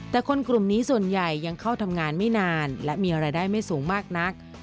แต่คนกลุ่มนี้ส่วนใหญ่ยังเข้าทำงานไม่นานและมีรายได้ไม่สูงมากนัก